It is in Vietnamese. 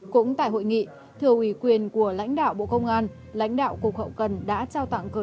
cũng tại hội nghị thừa ủy quyền của lãnh đạo bộ công an lãnh đạo cục hậu cần đã trao tặng cờ